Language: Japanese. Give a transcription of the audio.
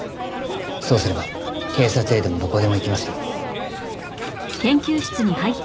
そうすれば警察へでもどこへでも行きますよ。